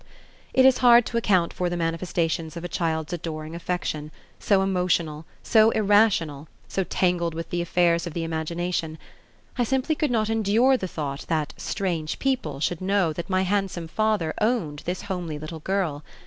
It is hard to account for the manifestations of a child's adoring affection, so emotional, so irrational, so tangled with the affairs of the imagination. I simply could not endure the thought that "strange people" should know that my handsome father owned this homely little girl.